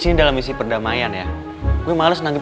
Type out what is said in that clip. sampai jumpa lagi